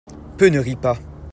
Peu ne rient pas.